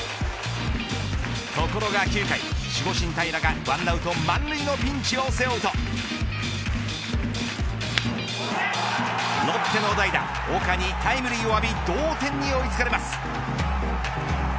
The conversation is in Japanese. ところが９回、守護神平良が１アウト満塁のピンチを背負うとロッテの代打岡にタイムリーを浴び同点に追いつかれます。